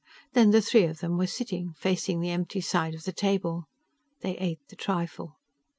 Then the three of them were sitting, facing the empty side of the table. They ate the trifle.